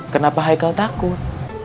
kenapa haikal takut